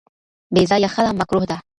بې ځایه خلع مکروه ده.